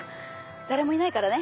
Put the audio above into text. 誰もいないからね。